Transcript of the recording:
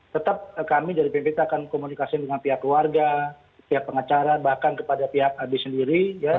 tetap kami dari bpt akan komunikasi dengan pihak keluarga pihak pengacara bahkan kepada pihak ab sendiri